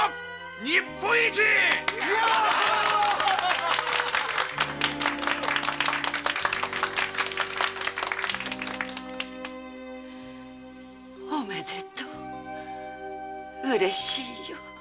日本一おめでとううれしいよ。